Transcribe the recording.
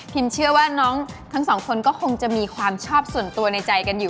เชื่อว่าน้องทั้งสองคนก็คงจะมีความชอบส่วนตัวในใจกันอยู่